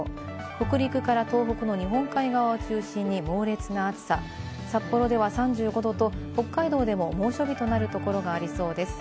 北陸から東北の日本海側を中心に猛烈な暑さ、札幌では３５度と北海道でも猛暑日となるところがありそうです。